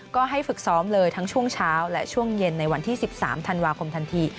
ก็ให้ฝึกซ้อมเลยทั้งช่วงเช้าและช่วงเย็นในวันที่๑๓ธันวาคมทันที